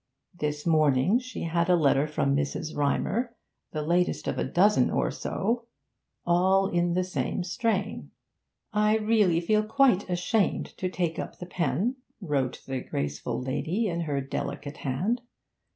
This morning she had a letter from Mrs. Rymer, the latest of a dozen or so, all in the same strain 'I really feel quite ashamed to take up the pen,' wrote the graceful lady, in her delicate hand.